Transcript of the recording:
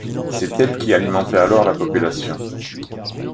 C'est elle qui alimentait alors la population.